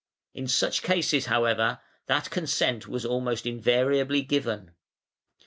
In such cases, however, that consent was almost invariably given.